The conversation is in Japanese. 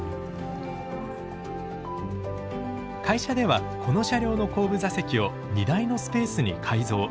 会社ではこの車両の後部座席を荷台のスペースに改造。